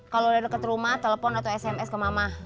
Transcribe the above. kalau udah dekat rumah telepon atau sms ke mama